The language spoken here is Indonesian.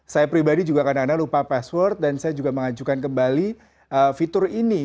saya pribadi juga kadang kadang lupa password dan saya juga mengajukan kembali fitur ini